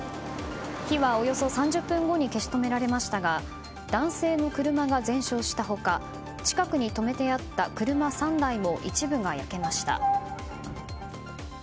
火は、およそ３０分後に消し止められましたが男性の車が全焼した他近くに止めてあった車３台も一部が焼けました。